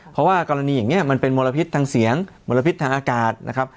เพราะว่ากรณีอย่างนี้มันเป็นมลพิษทางเสียงมลพิษทางอากาศนะครับ